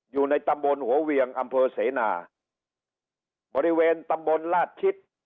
อยู่ในตำบลหัวเวียงอำเภอเสนาบริเวณตำบลลาดชิด